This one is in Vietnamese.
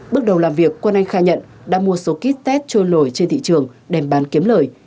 bước đầu làm việc quân anh khai nhận đã mua số kit test trôi nổi trên thị trường đem bán kiếm lời